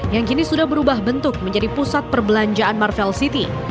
yang kini sudah berubah bentuk menjadi pusat perbelanjaan marvel city